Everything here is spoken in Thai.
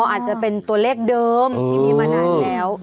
อาจจะเป็นตัวเลขเดิมที่มีมานานแล้ว